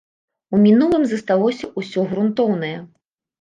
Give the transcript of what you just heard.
У мінулым засталося ўсё грунтоўнае.